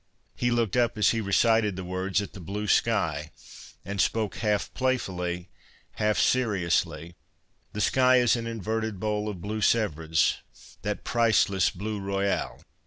He looked up, as he recited the words, at the blue sky, and spoke half playfully, half seriously :'" The sky is an inverted bowl of blue Sevres — that priceless bleu royal.